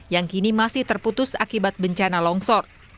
yang kini masih terputus akibat bencana longsor